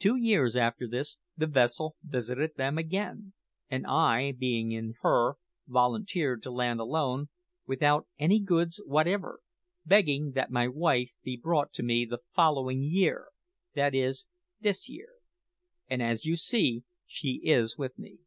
"Two years after this the vessel visited them again, and I, being in her, volunteered to land alone, without any goods whatever, begging that my wife might be brought to me the following year that is, this year; and, as you see, she is with me.